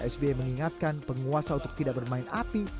sbi mengingatkan penguasa untuk tidak bermain api